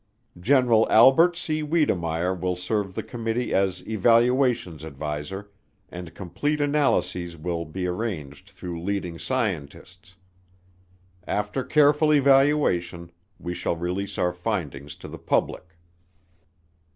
"General Albert C. Wedemeyer will serve the Committee as Evaluations Adviser and complete analyses will be arranged through leading scientists. After careful evaluation, we shall release our findings to the public."